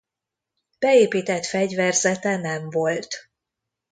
Beépített fegyverzete nem volt.